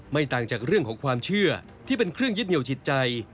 ต่างจากเรื่องของความเชื่อที่เป็นเครื่องยึดเหนียวจิตใจ